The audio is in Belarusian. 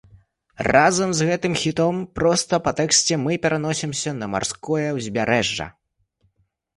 Разам з гэтым хітом, проста па тэксце, мы пераносімся на марское ўзбярэжжа.